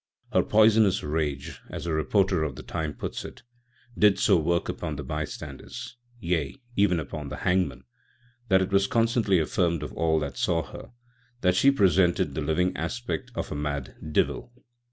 Her "poysonous Rage," as a reporter of the time puts it, "did so work upon the Bystanders â€" yea, even upon the Hangman â€" that it was constantly affirmed of all that saw her that she presented the living Aspect of a mad Divell.